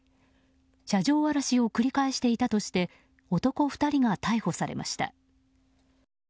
車上荒らしを繰り返していたとして男２人が逮捕されました。